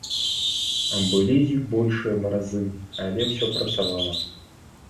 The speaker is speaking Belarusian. Былі і большыя маразы, але ўсё працавала.